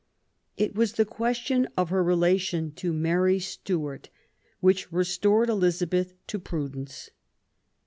It was the question of her relation to Mary Stuart which restored Elizabeth to prudence.